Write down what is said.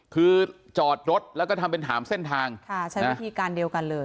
คือจอดรถแล้วก็ทำเป็นถามเส้นทางค่ะใช้วิธีการเดียวกันเลย